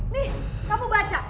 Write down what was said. nih kamu baca